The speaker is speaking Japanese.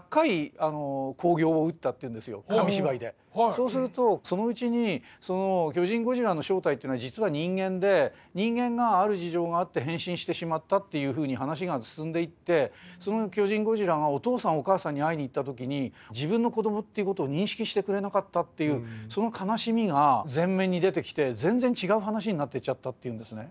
そうするとそのうちに巨人ゴジラの正体っていうのは実は人間で人間がある事情があって変身してしまったっていうふうに話が進んでいってその巨人ゴジラがお父さんお母さんに会いに行った時に自分の子どもっていうことを認識してくれなかったっていうその悲しみが前面に出てきて全然違う話になってっちゃったっていうんですね。